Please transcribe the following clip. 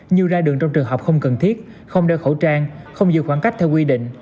như ra đường trong trường hợp không cần thiết không đeo khẩu trang không giữ khoảng cách theo quy định